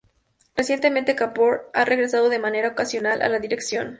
Recientemente, Kapoor ha regresado de manera ocasional a la dirección.